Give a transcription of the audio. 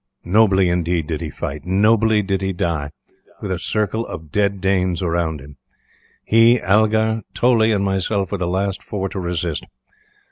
Nobly, indeed, did he fight; nobly did he die, with a circle of dead Danes around him. He, Algar, Toley, and myself were the last four to resist.